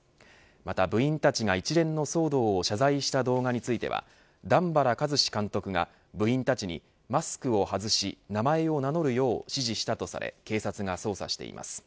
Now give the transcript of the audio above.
また部員たちが、一連の騒動を謝罪した動画については段原一詞監督が部員たちにマスクを外し名前を名乗るよう指示したとされ警察が捜査しています。